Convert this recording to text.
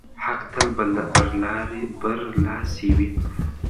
حق تل برلاسی وي.